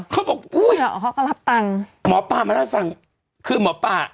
เขาบอกอุ้ยเหรอเขาก็รับตังค์หมอปลามาเล่าให้ฟังคือหมอปลา